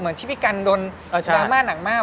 ที่พี่กันโดนดราม่าหนังมาก